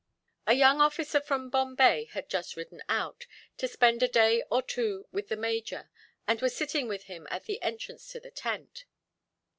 A young officer from Bombay had just ridden out, to spend a day or two with the major, and was sitting with him at the entrance to the tent.